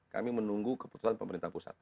kami menunggu keputusan pemerintah pusat